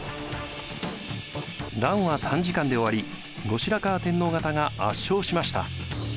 乱は短時間で終わり後白河天皇方が圧勝しました。